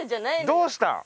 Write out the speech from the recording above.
どうしたん？